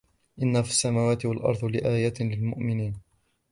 إِنَّ فِي السَّمَاوَاتِ وَالْأَرْضِ لَآيَاتٍ لِلْمُؤْمِنِينَ